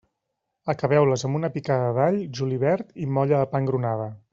Acabeu-les amb una picada d'all, julivert i molla de pa engrunada.